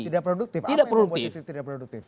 tidak produktif apa yang membuatnya tidak produktif